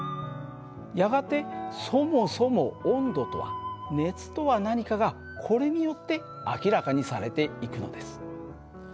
やがてそもそも温度とは熱とは何かがこれによって明らかにされていくのです。